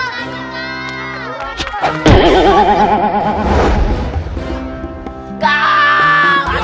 tapi karo teman